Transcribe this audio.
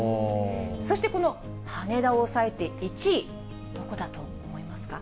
そしてこの羽田を抑えて１位、どこだと思いますか？